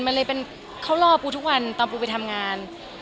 มันเลยเป็นเข้ารอบปูทุกวันตอนปูไปทำงาน